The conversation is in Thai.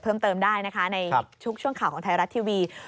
กรณีนี้ทางด้านของประธานกรกฎาได้ออกมาพูดแล้ว